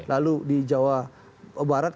lalu di jawa barat